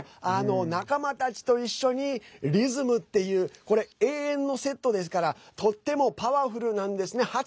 仲間たちと一緒にリズムっていう永遠のセットですからとってもパワフルなんですね。